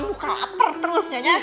memang laper terus